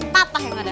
patah yang ada